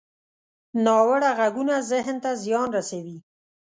ناوړه غږونه ذهن ته زیان رسوي